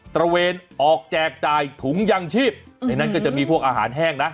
ระเวนออกแจกจ่ายถุงยังชีพในนั้นก็จะมีพวกอาหารแห้งนะ